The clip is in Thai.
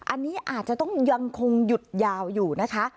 อันนี้อาจจะต้องยังคงหยุดยาวอยู่นะคะ